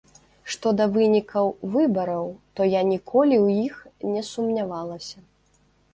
Што да вынікаў выбараў, то я ніколі ў іх не сумнявалася.